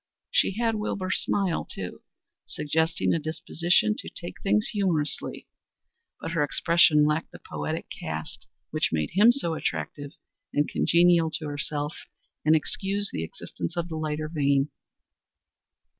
She had Wilbur's smile too, suggesting a disposition to take things humorously; but her expression lacked the poetic cast which made him so attractive and congenial to herself and excused the existence of the lighter vein.